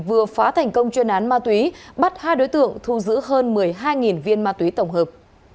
vừa phá thành công chuyên án ma túy bắt hai đối tượng thu giữ hơn một mươi hai viên ma túy tổng hợp